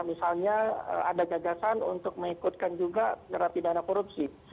misalnya ada gagasan untuk mengikutkan juga terapi dana korupsi